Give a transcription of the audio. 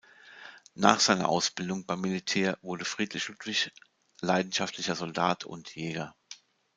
Nach seiner Ausbildung beim Militär wurde Friedrich Ludwig leidenschaftlicher Soldat und Jäger.